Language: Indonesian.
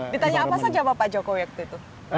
ditanya apa saja bapak jokowi waktu itu